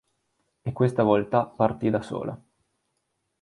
E questa volta partì da sola.